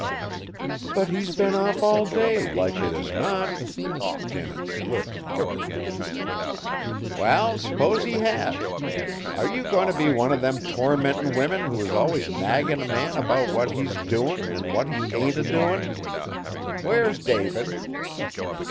"But he's been off all day, likely as not!" Janet's lip quivered. "Well, s'pose he has. Are you goin' t' be one of them tormentin' women who is always naggin' a man about what he's doin' an' what he ain't a doin'? Where's David?"